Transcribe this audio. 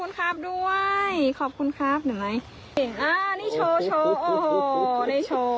โชว์เลยหรอม้วงอยู่นี่นะครับ